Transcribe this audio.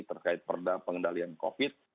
terkait perda pengendalian covid